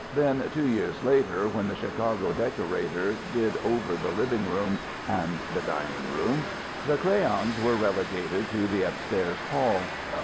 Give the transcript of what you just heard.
Then two years later, when the Chicago decorator did over the living room and the dining room, the crayons were relegated to the upstairs hall.